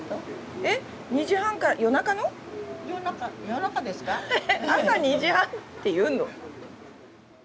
へへ朝２時半って言うの？